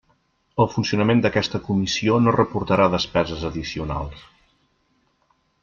El funcionament d'aquesta Comissió no reportarà despeses addicionals.